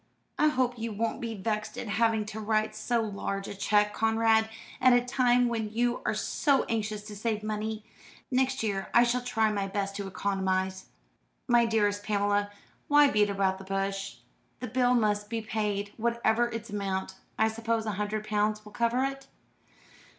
I hope you won't be vexed at having to write so large a cheque, Conrad, at a time when you are so anxious to save money. Next year I shall try my best to economise." "My dearest Pamela, why beat about the bush? The bill must be paid, whatever its amount. I suppose a hundred pounds will cover it?"